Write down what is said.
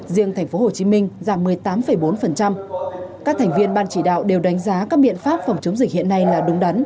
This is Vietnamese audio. riêng thành phố hồ chí minh giảm một mươi tám bốn các thành viên ban chỉ đạo đều đánh giá các biện pháp phòng chống dịch hiện nay là đúng đắn